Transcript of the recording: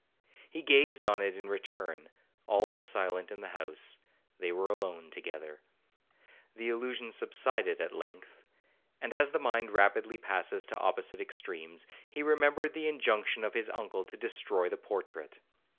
He gazed on it in return,—all was silent in the house,—they were alone together. The illusion subsided at length; and as the mind rapidly passes to opposite extremes, he remembered the injunction of his uncle to destroy the portrait.